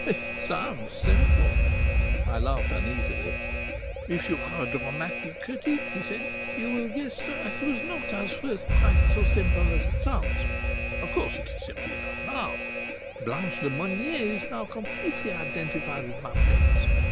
"It sounds simple." I laughed uneasily. "If you are a dramatic critic," he said, "you will guess that it was not at first quite so simple as it sounds. Of course it is simple enough now. Blanche Lemonnier is now completely identified with my plays.